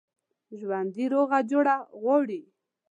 ژوندي روغه جوړه غواړي